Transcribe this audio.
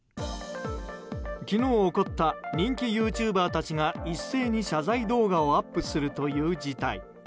昨日起こった人気ユーチューバーたちが一斉に謝罪動画をアップするという事態。